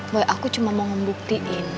boy aku cuma mau ngebuktiin